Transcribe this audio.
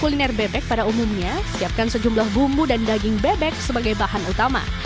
kuliner bebek pada umumnya siapkan sejumlah bumbu dan daging bebek sebagai bahan utama